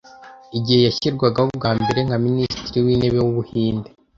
igihe yashyirwaho bwa mbere nka Minisitiri w’intebe w’Ubuhinde